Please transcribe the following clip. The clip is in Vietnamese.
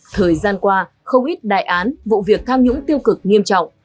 thời gian qua không ít đại án vụ việc tham nhũng tiêu cực nghiêm trọng